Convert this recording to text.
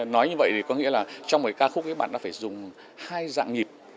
nói như vậy có nghĩa là trong cái ca khúc ấy bạn ấy phải dùng hai dạng nhịp